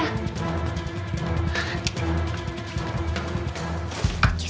ada gimana dia